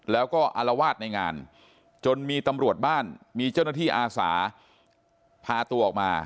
แล้วก็อารวาสในงานจนมีตำรวจบ้านมีเจ้าหน้าที่อาสาพาตัวออกมา